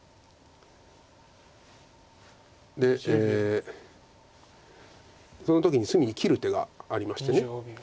でその時に隅に切る手がありまして。